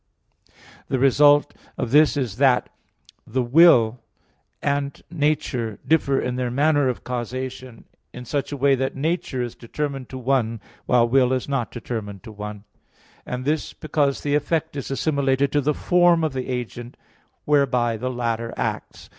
The reason of this is that will and nature differ in their manner of causation, in such a way that nature is determined to one, while the will is not determined to one; and this because the effect is assimilated to the form of the agent, whereby the latter acts.